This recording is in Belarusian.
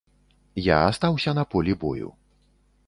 Я астаўся на полі бою.